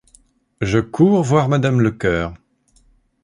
Je cours voir madame Lecœur.